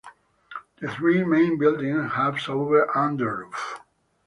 The three main buildings have over under roof.